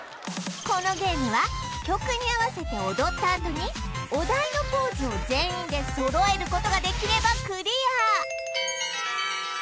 このゲームは曲に合わせて踊ったあとにお題のポーズを全員で揃えることができればクリア